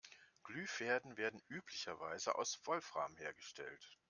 Glühfäden werden üblicherweise aus Wolfram hergestellt.